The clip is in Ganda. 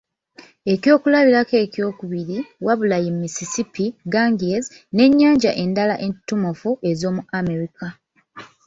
Ekyokulabirako ekyokubiri, Wabula ye Mississippi, Ganges n’ennyanja endala entutumufu ez’omu America.